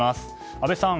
阿部さん